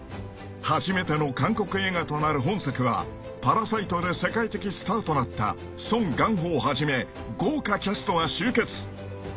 ［初めての韓国映画となる本作は『パラサイト』で世界的スターとなったソン・ガンホをはじめ豪華キャストが集結］